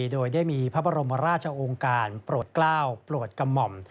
โดยได้มีพระบรมราชองค์การโปรดกล้าวโปรดกระหม่อม